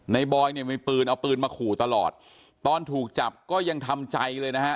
บอยเนี่ยมีปืนเอาปืนมาขู่ตลอดตอนถูกจับก็ยังทำใจเลยนะฮะ